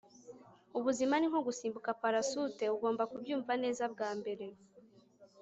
ubuzima ni nko gusimbuka parasute, ugomba kubyumva neza bwa mbere